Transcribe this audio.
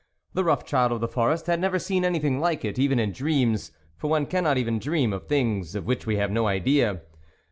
The rough child of the forest had never seen anything like it, even in dreams ; for one cannot even dream of things of which we have no idea.